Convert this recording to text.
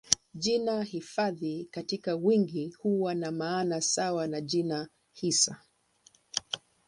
Jina hifadhi katika wingi huwa na maana sawa na jina hisa.